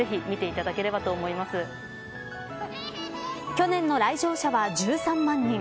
去年の来場者は１３万人。